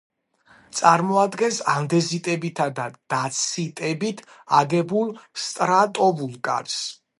წარმოადგენს ანდეზიტებითა და დაციტებით აგებულ სტრატოვულკანს.